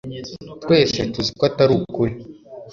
twese tuzi ko atari ukuri